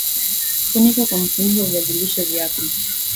funika kwa mfuniko viazi lishe vyako